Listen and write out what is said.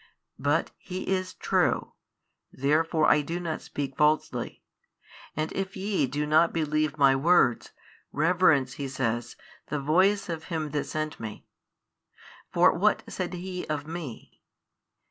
But He is True: therefore I do not speak |599 falsely, and if ye do not believe My Words, reverence (He says) the Voice of Him That sent Me. For what said He of Me?